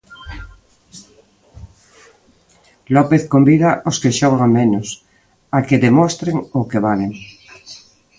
López convida os que xogan menos a que demostren o que valen.